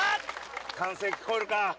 歓声聞こえるか？